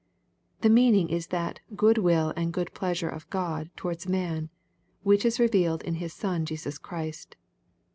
The meaning is that '' good will and good pleasure of God" towards man, which is revealed in His Son Jesus Christ.